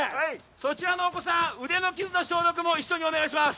そちらのお子さん腕の傷の消毒も一緒にお願いします